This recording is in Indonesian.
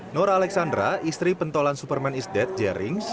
nora alexandra istri pentolan superman is dead jerings